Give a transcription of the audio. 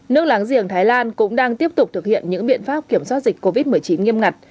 nước láng giềng thái lan cũng đang tiếp tục thực hiện những biện pháp kiểm soát dịch covid một mươi chín nghiêm ngặt